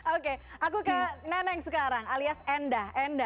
oke aku ke neneng sekarang alias enda enda